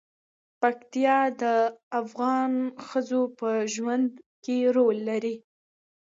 پکتیکا د افغان ښځو په ژوند کې رول لري.